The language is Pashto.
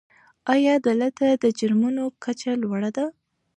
آیا دلته د جرمونو کچه لوړه ده؟